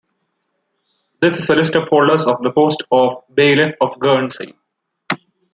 This is a list of holders of the post of Bailiff of Guernsey.